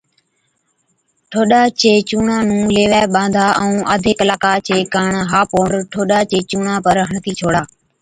ٺوڏا چي چُونڻان نُون ليوَي ٻانڌا ائُون آڌي ڪلاڪا چي ڪاڻ ها پونڊر ٺوڏا چي چُونڻان پر هڻتِي ڇوڙا۔